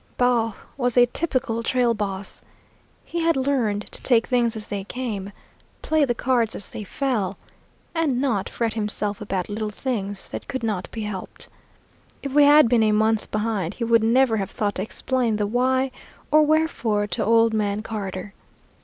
Baugh was a typical trail boss. He had learned to take things as they came, play the cards as they fell, and not fret himself about little things that could not be helped. If we had been a month behind he would never have thought to explain the why or wherefore to old man Carter.